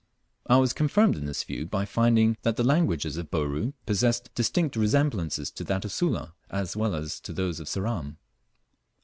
I was confirmed in this view by finding that the languages of Bouru possessed distinct resemblances to that of Sula, as well as to those of Ceram.